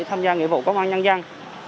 tham gia nghị vụ công an nhân dân